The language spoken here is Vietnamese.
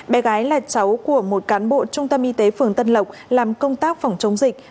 bé gái là cháu của một cán bộ trung tâm y tế phường tân lộc làm công tác phòng chống dịch